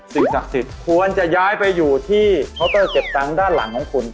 สิ่งศักดิ์สิทธิ์ควรจะย้ายไปอยู่ที่เคาน์เตอร์เก็บตังค์ด้านหลังของคุณ